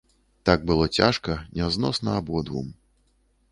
Так было цяжка, нязносна абодвум.